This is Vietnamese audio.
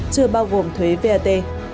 chưa bao gồm thuế vat